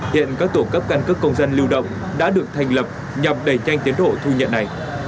hiện các tổ cấp căn cước công dân lưu động đã được thành lập nhằm đẩy nhanh tiến độ thu nhận này